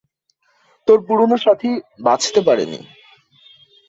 তোর পুরনো সাথী বাচতে পারে নি।